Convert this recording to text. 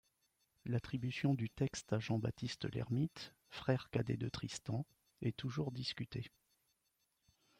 L'attribution du texte à Jean-Baptiste L'Hermite, frère cadet de Tristan, est toujours discutée.